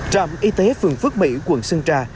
trạm y tế phường phước mỹ quận sơn trà